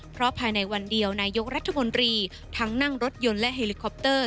เพราะภายในวันเดียวนายกรัฐมนตรีทั้งนั่งรถยนต์และเฮลิคอปเตอร์